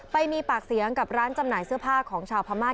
ไปมีปากเสียงกับร้านจำหน่ายเสื้อผ้าของชาวพม่า